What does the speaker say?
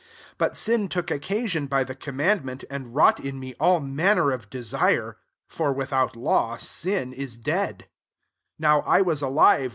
8 But sin took occasion by the commandment, and wrought in me all manner of desire ; for, without law, sin is dead, 9 Now I was alive SI60 ROMANS Vm.